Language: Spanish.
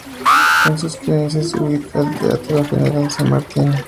En sus cercanías se ubica el Teatro General San Martín.